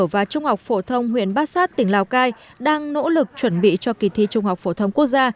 và trung học phổ thông huyện bát sát tỉnh lào cai đang nỗ lực chuẩn bị cho kỳ thi trung học phổ thông quốc gia